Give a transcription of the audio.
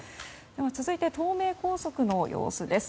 続いて、東名高速の様子です。